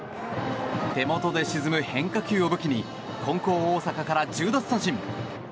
手元で沈む変化球を武器に金光大阪から１０奪三振。